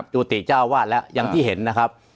จุติเจ้าวาดแล้วอย่างที่เห็นนะครับ